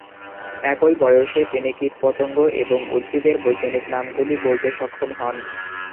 একই বয়সে, তিনি কীটপতঙ্গ এবং উদ্ভিদের বৈজ্ঞানিক নামগুলি বলতে সক্ষম হন।